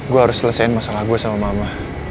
gue harus selesaiin masalah gue sama mama